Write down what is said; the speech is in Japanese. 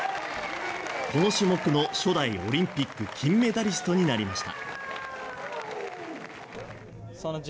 この種目の初代オリンピック金メダリストになりました。